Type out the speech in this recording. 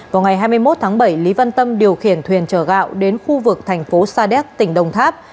vào ngày hai mươi một tháng bảy lý văn tâm điều khiển thuyền chở gạo đến khu vực thành phố sa đéc tỉnh đồng tháp